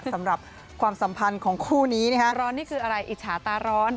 ความสัมพันธ์ของคู่นี้ร้อนนี่คืออะไรอิจฉาตาร้อน